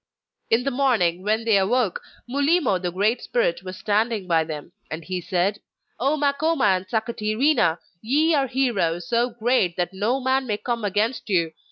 In the morning when they awoke, Mulimo the Great Spirit was standing by them; and he said: 'O Makoma and Sakatirina! Ye are heroes so great that no man may come against you.